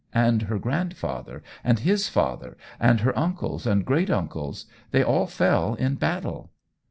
And her grandfather, and his father, and her uncles and great uncles — they all fell in battle."